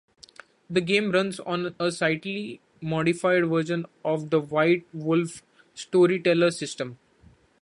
The game runs on a slightly modified version of the White Wolf Storyteller System.